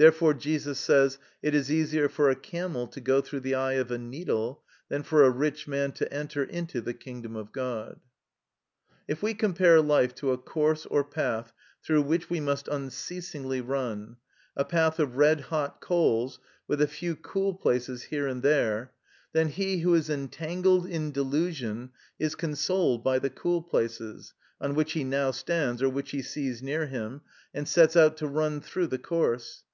Therefore Jesus says: "It is easier for a camel to go through the eye of a needle, than for a rich man to enter into the kingdom of God." If we compare life to a course or path through which we must unceasingly run—a path of red hot coals, with a few cool places here and there; then he who is entangled in delusion is consoled by the cool places, on which he now stands, or which he sees near him, and sets out to run through the course.